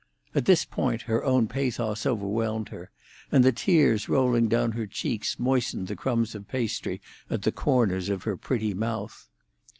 At this point her own pathos overwhelmed her, and the tears rolling down her cheeks moistened the crumbs of pastry at the corners of her pretty mouth.